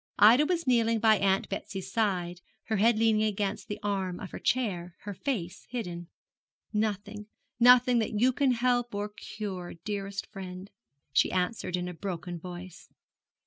Ida was kneeling by Aunt Betsy's side, her head leaning against the arm of her chair, her face hidden. 'Nothing, nothing that you can help or cure, dearest friend,' she answered in a broken voice.